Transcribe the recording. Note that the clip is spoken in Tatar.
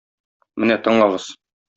Менә тыңлагыз.